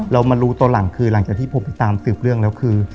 เรามารู้ตอนหลังคือหลังจากที่ผมไปตามสืบเรื่องแล้วคือ